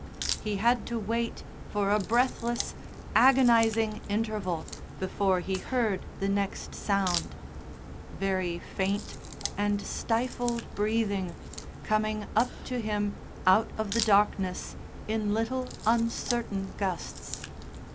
He had to wait for a breathless, agonising interval before he heard the next sound, very faint and stifled breathing coming up to him out of the darkness in little uncertain gusts.